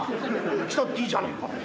来たっていいじゃねえか。